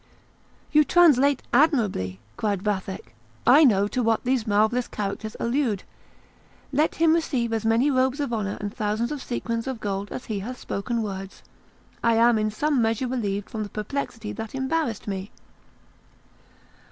"You translate admirably!" cried Vathek; "I know to what these marvellous characters allude. Let him receive as many robes of honour and thousands of sequins of gold as he hath spoken words. I am in some measure relieved from the perplexity that embarrassed me!"